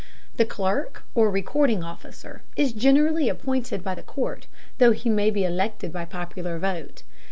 The clerk, or recording officer, is generally appointed by the court, though he may be elected by popular vote.